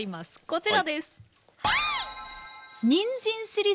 こちらです。